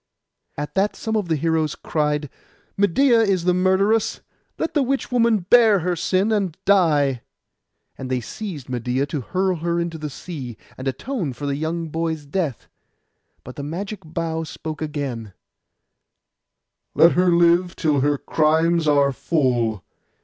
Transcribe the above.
At that some of the heroes cried, 'Medeia is the murderess. Let the witch woman bear her sin, and die!' And they seized Medeia, to hurl her into the sea, and atone for the young boy's death; but the magic bough spoke again, 'Let her live till her crimes are full.